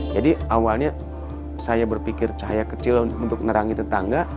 jadi awalnya saya berpikir cahaya kecil untuk menerangi tetangga